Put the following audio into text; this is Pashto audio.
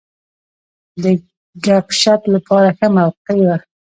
د ګپ شپ لپاره ښه موقع وه.